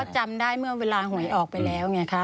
จำได้เมื่อเวลาหวยออกไปแล้วไงคะ